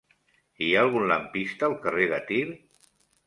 Hi ha algun lampista al carrer de Tir?